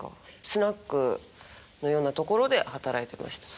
スナックのようなところで働いてました。